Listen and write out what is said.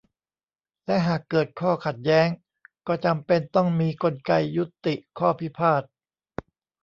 และหากเกิดข้อขัดแย้ง ก็จำเป็นต้องมีกลไกยุติข้อพิพาท